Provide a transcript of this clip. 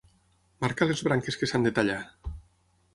Marca les branques que s'han de tallar.